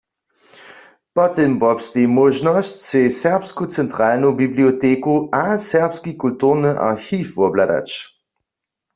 Po tym wobsteji móžnosć sej Serbsku centralnu biblioteku a Serbski kulturny archiw wobhladać.